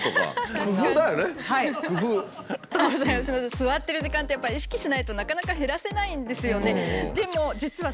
座ってる時間ってやっぱり意識しないとなかなか減らせないんですよね。